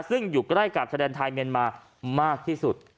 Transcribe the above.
ซึ่งอยู่ใกล้กับชายแดนไทยเมียนมามากที่สุด